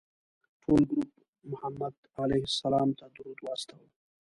ټول ګروپ محمد علیه السلام ته درود واستوه.